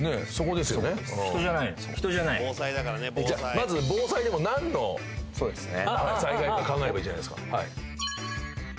まず防災でも何の災害か考えればいいんじゃないですか。